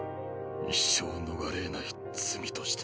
一生逃れえない罪として。